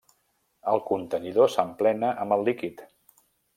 El contenidor s'emplena amb el líquid.